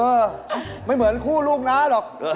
เออไม่เหมือนคู่ลูกน้าหรอก